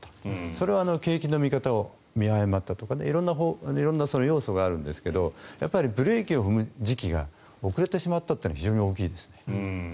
それは景気の見方を見誤ったとか色んな要素があるんですがやっぱりブレーキを踏む時期が遅れてしまったというのは非常に大きいですね。